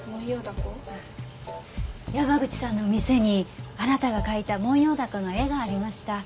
山口さんの店にあなたが描いたモンヨウダコの絵がありました。